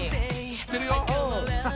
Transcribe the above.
「知ってるよ」